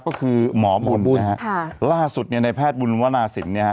ก็คือหมอบุญนะครับล่าสุดในแพทย์บุญวนาศิลป์เนี่ย